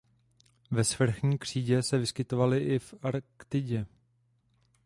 Ve svrchní křídě se vyskytovaly i v Arktidě.